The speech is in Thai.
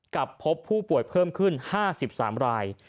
พบผู้ป่วยเพิ่มขึ้น๕๓ราย